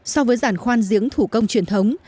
so với giàn khoan diếng thủ công truyền thống